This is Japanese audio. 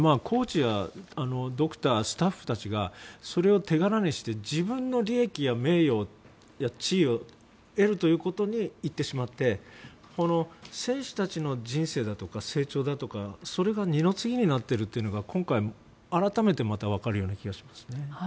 コーチやドクタースタッフたちがそれを手柄にして自分の利益や名誉や地位を得るということにいってしまってこの選手たちの人生だとか成長だとかそれが二の次になっているのが今回、改めて分かるような気がしますね。